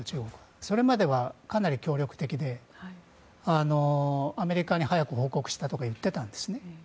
それまではかなり協力的でアメリカに早く報告したとか言っていたんですね。